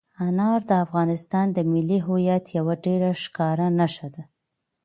انار د افغانستان د ملي هویت یوه ډېره ښکاره نښه ده.